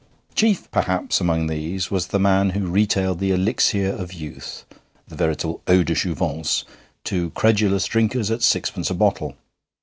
Chief, perhaps, among these was the man who retailed the elixir of youth, the veritable eau de jouvence, to credulous drinkers at sixpence a bottle.